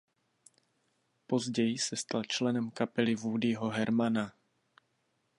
Později se stal členem kapely Woodyho Hermana.